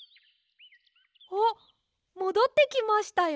あっもどってきましたよ。